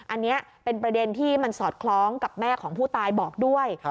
อันนี้เป็นประเด็นที่มันสอดคล้องกับแม่ของผู้ตายบอกด้วย